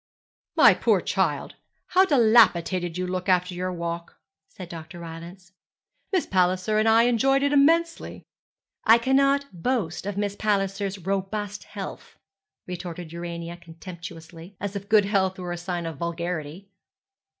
'My poor child, how dilapidated you look after your walk,' said Dr. Rylance; 'Miss Palliser and I enjoyed it immensely.' 'I cannot boast of Miss Palliser's robust health,' retorted Urania contemptuously, as if good health were a sign of vulgarity.